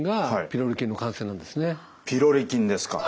ピロリ菌ですか。